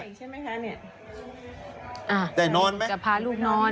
อ่าจะพาลูกนอน